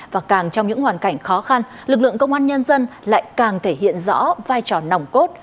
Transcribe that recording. và càng trong những hoàn cảnh khó khăn lực lượng công an nhân dân lại càng thể hiện rõ vai trò nòng cốt